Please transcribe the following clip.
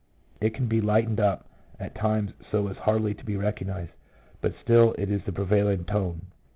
It can be lightened up at times so as hardly to be recognized, but still it is the prevailing tone."